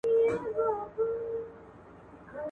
دا کيسه درس ورکوي ډېر.